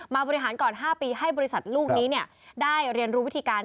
บริหารก่อน๕ปีให้บริษัทลูกนี้ได้เรียนรู้วิธีการ